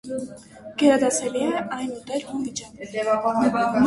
Գերադասելի է այն ուտել հում վիճակում։